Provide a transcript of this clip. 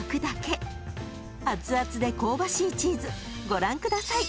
［熱々で香ばしいチーズご覧ください